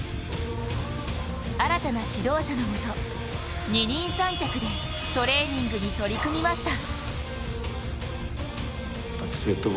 新たな指導者のもと、二人三脚でトレーニングに取り組みました。